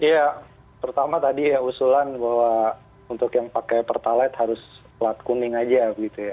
ya pertama tadi ya usulan bahwa untuk yang pakai pertalaid harus pelat kuning saja